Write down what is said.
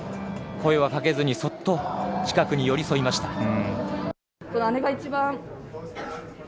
声はかけずに、そっと近くに寄り添いました。